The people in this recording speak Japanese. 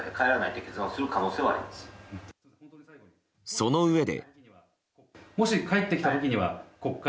そのうえで。